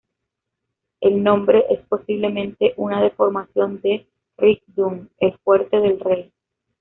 El nombre es posiblemente una deformación de "Rig Dun", el "Fuerte del Rey".